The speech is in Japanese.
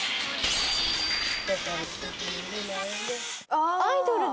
ああ『アイドル』だ。